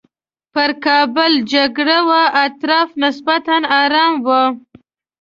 پر کابل جګړه وه اطراف نسبتاً ارام وو.